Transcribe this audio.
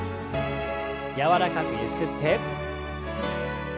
柔らかくゆすって。